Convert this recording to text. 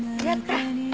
やったー！